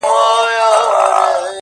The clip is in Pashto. پر بای مي لود خپل سر، دین و ایمان مبارک~